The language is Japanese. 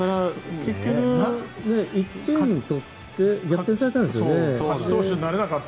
結局、１点取って逆転されたんですよね。